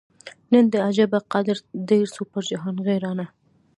نن دي عجبه قدر ډېر سو پر جهان غیرانه